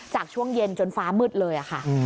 ช่วงเย็นจนฟ้ามืดเลยค่ะ